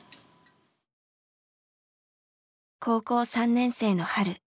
高校３年生の春。